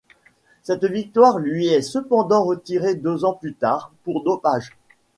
Cette victoire lui est cependant retirée deux ans plus tard pour dopage.